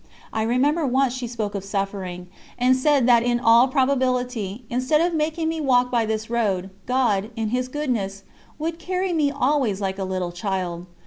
I remember once she spoke of suffering, and said that in all probability, instead of making me walk by this road, God, in His goodness, would carry me always like a little child.